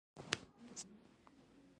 دوی سپوږمکۍ فضا ته لیږي.